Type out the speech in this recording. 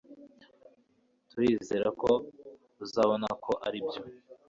Turizera ko uzabona ko aribyo